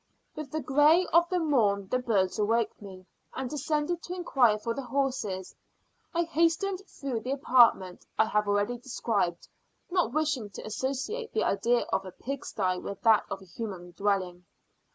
With the grey of the morn the birds awoke me; and descending to inquire for the horses, I hastened through the apartment I have already described, not wishing to associate the idea of a pigstye with that of a human dwelling.